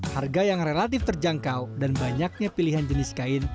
harga yang relatif terjangkau dan banyaknya pilihan jenis kain